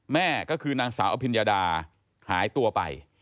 แม่ก็คือนางสาวอภิญญาดาหายตัวไป